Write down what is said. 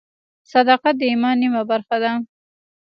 صداقت د ایمان نیمه برخه ده.